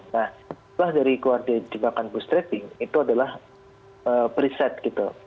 nah kemudian dari jebakan bootstrapping itu adalah preset gitu